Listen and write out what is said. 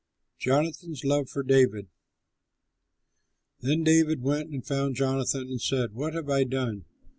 JONATHAN'S LOVE FOR DAVID Then David went and found Jonathan and said, "What have I done?